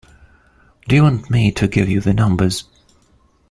Do you want me to give you the numbers?